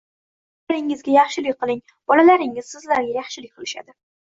Otalaringizga yaxshilik qiling, bolalaringiz sizlarga yaxshilik qilishadi.